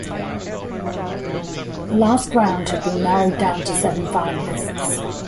The last round had been narrowed down to seven finalists.